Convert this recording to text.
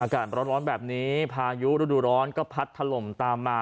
อากาศร้อนแบบนี้พายุฤดูร้อนก็พัดถล่มตามมา